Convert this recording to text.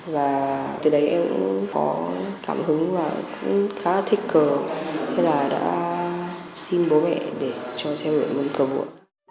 và từ đấy em cũng có cảm hứng và cũng khá là thích cờ thế là đã xin bố mẹ để cho xem huyện bậc cờ vua